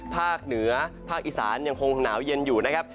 ภาคเหนือภาคอีสานยังคงหนาวเย็นอยู่นะครับ